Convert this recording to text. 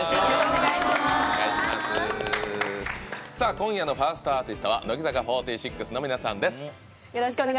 今夜のファーストアーティストは乃木坂４６の皆さんです。